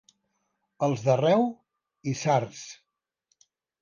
Els d'Àrreu, isards.